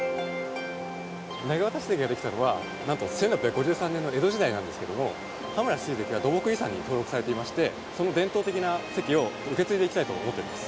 投渡堰ができたのはなんと１６５３年の江戸時代なんですけども羽村取水堰は土木遺産に登録されていましてその伝統的な堰を受け継いでいきたいと思っております。